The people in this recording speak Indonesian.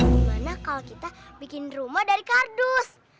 gimana kalau kita bikin rumah dari kardus